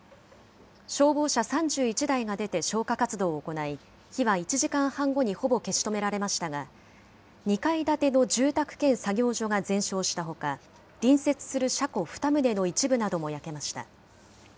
消防車３１台が出て消火活動を行い、火は１時間半後にほぼ消し止められましたが、２階建ての住宅兼作業所が全焼したほか、隣接する車庫２棟の一部なども焼けました。